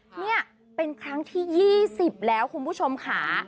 นี่เป็นครั้งที่๒๐แล้วคุณผู้ชมค่ะ